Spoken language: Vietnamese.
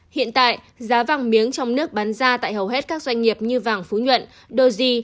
hiện tại giá vàng miếng trong nước bán ra tại hầu hết các doanh nghiệp như vàng phú nhuận doji